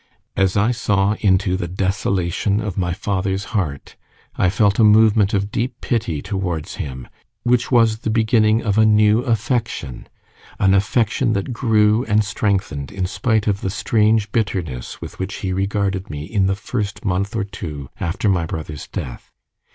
As I saw into the desolation of my father's heart, I felt a movement of deep pity towards him, which was the beginning of a new affection an affection that grew and strengthened in spite of the strange bitterness with which he regarded me in the first month or two after my brother's death.